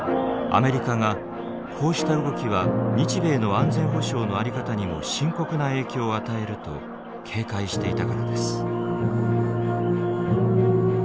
アメリカがこうした動きは日米の安全保障の在り方にも深刻な影響を与えると警戒していたからです。